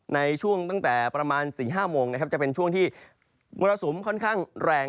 ในช่วงตั้งแต่ประมาณ๔๕โมงนะครับจะเป็นช่วงที่มรสุมค่อนข้างแรง